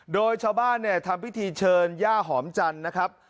โดยชาวบ้านเนี่ยทำพิธีเชิญย่าหอมจันทร์นะครับ